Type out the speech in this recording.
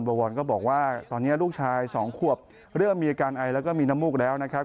วรก็บอกว่าตอนนี้ลูกชาย๒ขวบเริ่มมีอาการไอแล้วก็มีน้ำมูกแล้วนะครับ